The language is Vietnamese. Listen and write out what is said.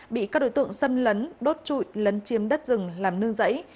bị các đối tượng xâm lấn đốt trụi lấn chiếm đất rừng làm nương rẫy